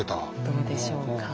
どうでしょうか。